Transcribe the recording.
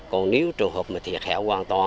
còn nếu trường hợp mà thiệt hẹo hoàn toàn